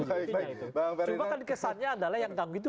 cuma kan kesannya adalah yang kami itu